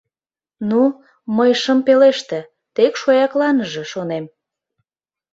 Ну, мый шым пелеште, тек шоякланыже, шонем.